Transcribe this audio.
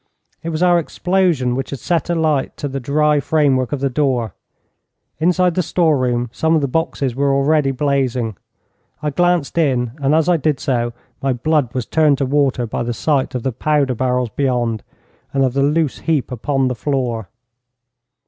It was our explosion which had set alight to the dry frame work of the door. Inside the store room some of the boxes were already blazing. I glanced in, and as I did so my blood was turned to water by the sight of the powder barrels beyond, and of the loose heap upon the floor.